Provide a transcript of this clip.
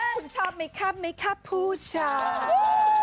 คุณชอบไหมครับไม่ข้ามผู้ชาย